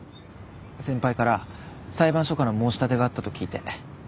先輩から裁判所から申し立てがあったと聞いて。